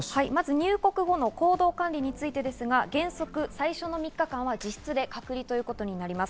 入国後の行動管理についてですが原則最初の３日間は自室で隔離ということになります。